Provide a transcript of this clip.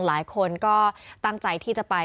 หลายคนก็ตั้งใจที่จะไป